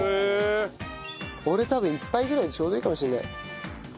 俺多分１杯ぐらいでちょうどいいかもしれない砂糖。